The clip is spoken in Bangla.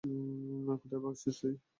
কোথায় ভাগছিস তুই?